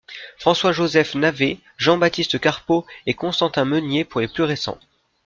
François-Joseph Navez, Jean-Baptiste Carpeaux et Constantin Meunier pour les plus récents.